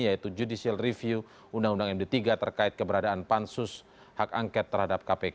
yaitu judicial review undang undang md tiga terkait keberadaan pansus hak angket terhadap kpk